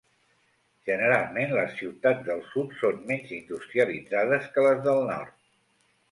Generalment, les ciutats del sud són menys industrialitzades que les del nord.